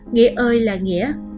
nghĩa ơi là nghĩa